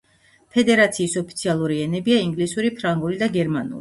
ფედერაციის ოფიციალური ენებია: ინგლისური, ფრანგული და გერმანული.